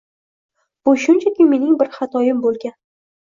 Bu shunchaki mening bir xatoyim boʻlgan.